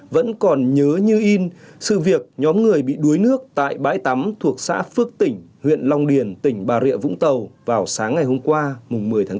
vẫn còn nhớ như in sự việc nhóm người bị đuối nước tại bãi tắm thuộc xã phước tỉnh huyện long điền tỉnh bà rịa vũng tàu vào sáng ngày hôm qua một mươi tháng bốn